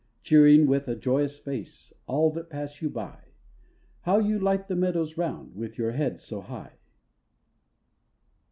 Cheering with a joyous face, All that pass you by, How you light the meadows round, With your head so high.